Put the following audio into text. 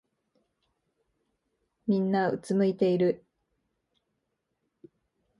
みんなうつむいてる。